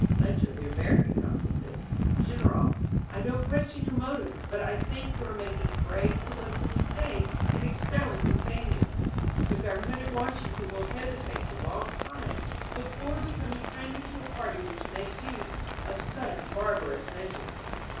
Letcher, the American consul, said: General, I 'don't question your motives, but I think you are mak ^g A grave political mistake in expelling the Span iards. The government at Washington will hesitate a long time before becoming friendly to a party which makes use of such barbarous measures."